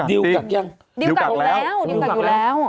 ดิวกักอยู่แล้วดิวกักอยู่แล้วดิวกักแล้ว